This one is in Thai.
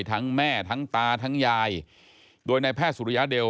ทั้งแม่ทั้งตาทั้งยายโดยในแพทย์สุริยะเดล